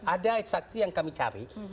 ada saksi yang kami cari